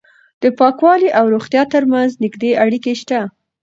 د پاکوالي او روغتیا ترمنځ نږدې اړیکه شته.